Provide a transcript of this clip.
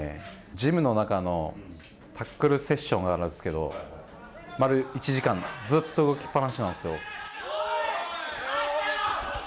ジムの中のタックルセッションがあるんですけど丸１時間ずっと動きっ放しなんですよ。